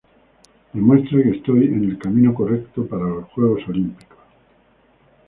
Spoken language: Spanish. Demuestra que estoy en el camino correcto para los Juegos Olímpicos.